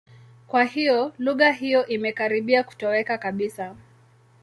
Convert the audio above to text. Kwa hiyo, lugha hiyo imekaribia kutoweka kabisa.